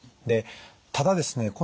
でただですね